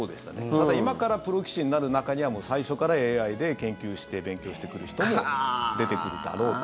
ただ、今からプロ棋士になる中には最初からＡＩで研究して勉強してくる人も出てくるだろうと。